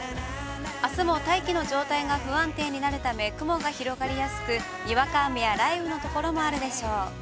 あすも大気の状態が不安定になるため雲が広がりやすく、にわか雨や雷雨のところもあるでしょう。